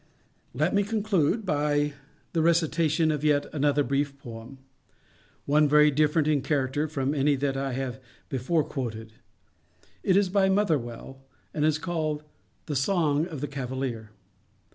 Let me conclude by—the recitation of yet another brief poem—one very different in character from any that I have before quoted. It is by Motherwell, and is called "The Song of the Cavalier."